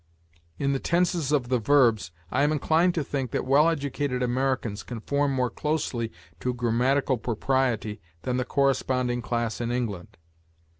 In the tenses of the verbs, I am inclined to think that well educated Americans conform more closely to grammatical propriety than the corresponding class in England....